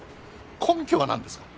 根拠はなんですか？